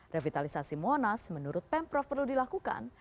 revitalisasi monas menurut pemprov perlu dilakukan